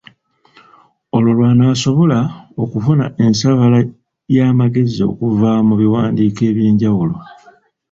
Olwo lw’anaasobola okufuna ensaabala y’amagezi okuva mu biwandiiko eby’enjawulo.